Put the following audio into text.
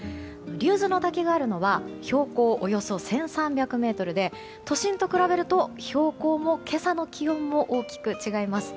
竜頭ノ滝があるのは標高およそ１３００ｍで都心と比べると標高も今朝の気温も大きく違います。